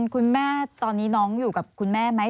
คุณแม่ตอนนี้น้องอยู่กับคุณแม่ไหม